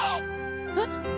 えっ？